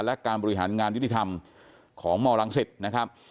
และการบริหารงานวิทยธรรมของมลังศิษย์นะครับ